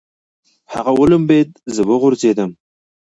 هغه ولمبېده، زه وغورځېدم.